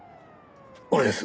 俺です